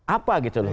apa gitu loh